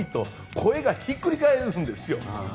声がひっくり返るんですよ。